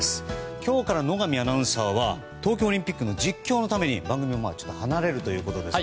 今日から野上アナウンサーは東京オリンピックの実況のために番組を離れるということです。